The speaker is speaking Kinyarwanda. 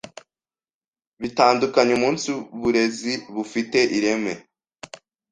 bitandukanye umunsi burezi bufite ireme